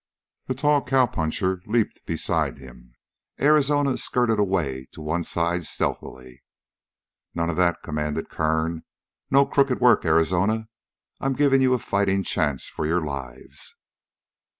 The tall cowpuncher leaped beside him. Arizona skirted away to one side stealthily. "None of that!" commanded Kern. "No crooked work, Arizona. I'm giving you a fighting chance for your lives."